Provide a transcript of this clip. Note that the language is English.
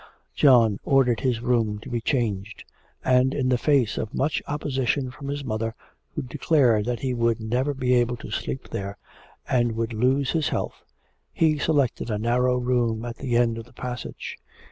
John ordered his room to be changed; and in the face of much opposition from his mother, who declared that he would never be able to sleep there, and would lose his health, he selected a narrow room at the end of the passage.